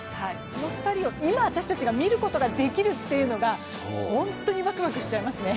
その２人を今、私たちが見ることができるというのが本当にワクワクしちゃいますね。